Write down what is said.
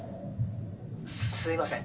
「すいません」。